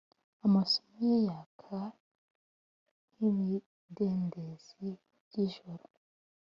amaso ye yaka nk'ibidendezi by'ijoro.